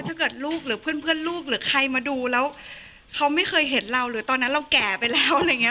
ถ้าเกิดลูกหรือเพื่อนลูกหรือใครมาดูแล้วเขาไม่เคยเห็นเราหรือตอนนั้นเราแก่ไปแล้วอะไรอย่างนี้